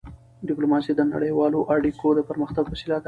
ډیپلوماسي د نړیوالو اړیکو د پرمختګ وسیله ده.